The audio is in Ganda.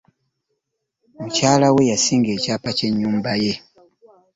Mukyalawe yasinga ekyapa ky'ennyumba ye.